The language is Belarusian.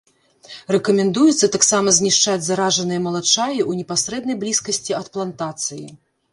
Рэкамендуецца таксама знішчаць заражаныя малачаі ў непасрэднай блізкасці ад плантацыі.